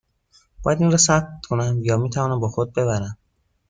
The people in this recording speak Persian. باید این را ثبت کنم یا می توانم با خودم ببرم؟